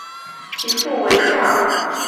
其父为上总国末代藩主。